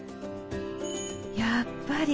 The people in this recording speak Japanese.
やっぱり。